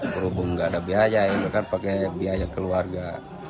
berhubung nggak ada biaya kan pakai biaya keluarga